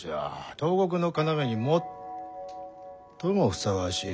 東国の要に最もふさわしい。